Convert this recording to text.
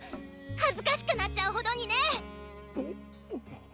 恥ずかしくなっちゃうほどにね！